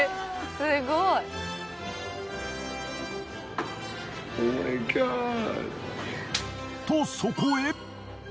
すごい！とそこへ。